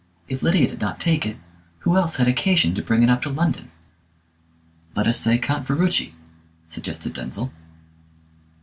If Lydia did not take it, who else had occasion to bring it up to London?" "Let us say Count Ferruci," suggested Denzil.